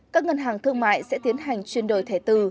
các ngân hàng thương mại sẽ tiến hành chuyển đổi thẻ từ